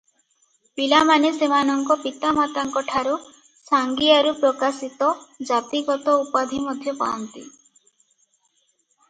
ପିଲାମାନେ ସେମାନଙ୍କ ପିତାମାତାଙ୍କଠାରୁ ସାଙ୍ଗିଆରୁ ପ୍ରକାଶିତ ଜାତିଗତ ଉପାଧି ମଧ୍ୟ ପାଆନ୍ତି ।